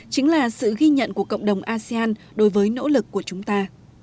chính là sự ghi nhận của cộng đồng asean đối với nỗ lực của chúng ta